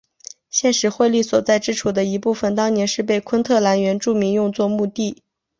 现时惠利所在之处的一部分当年是被昆特兰原住民用作墓地。